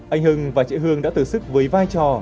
anh hưng và chị hương đã tử sức với vai trò